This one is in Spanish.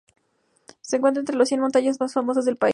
Se encuentra entre las cien montañas más famosas del país.